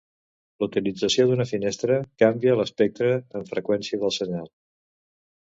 La utilització d'una finestra canvia l'espectre en freqüència del senyal.